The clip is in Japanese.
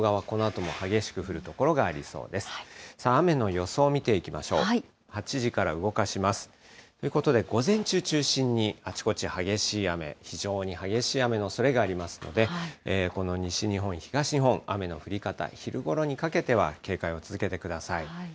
ということで、午前中中心に、あちこち激しい雨、非常に激しい雨のおそれがありますので、この西日本、東日本、雨の降り方、昼ごろにかけては警戒を続けてください。